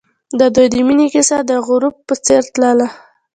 د دوی د مینې کیسه د غروب په څېر تلله.